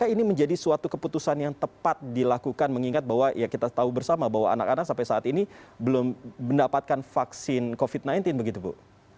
ini menjadi suatu keputusan yang tepat dilakukan mengingat bahwa ya kita tahu bersama bahwa anak anak sampai saat ini belum mendapatkan vaksin covid sembilan belas begitu bu